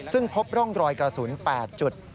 ซึ่งพบร่องรอยกระสุน๘จุด